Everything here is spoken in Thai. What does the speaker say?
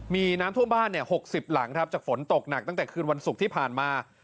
มีน้ำท่วมบ้าน๖๐หลังครับจากฝนตกหนักตั้งแต่คืนวันศุกร์ที่ผ่านมา